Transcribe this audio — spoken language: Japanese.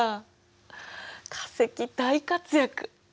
化石大活躍！